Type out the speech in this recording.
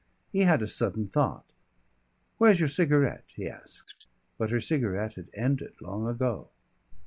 He had a sudden thought. "Where's your cigarette?" he asked. But her cigarette had ended long ago.